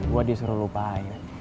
gue disuruh lupain